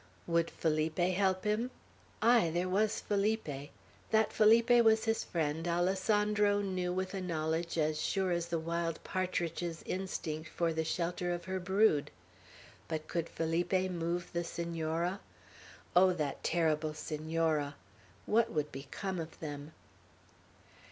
Would Felipe help him? Ay, there was Felipe! That Felipe was his friend, Alessandro knew with a knowledge as sure as the wild partridge's instinct for the shelter of her brood; but could Felipe move the Senora? Oh, that terrible Senora! What would become of them?